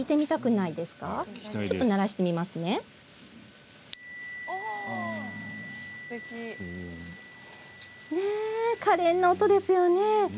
りんの音かれんな音ですよね。